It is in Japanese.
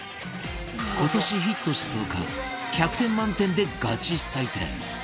今年ヒットしそうか１００点満点でガチ採点